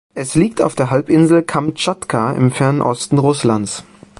Es liegt auf der Halbinsel Kamtschatka im Fernen Osten Russlands.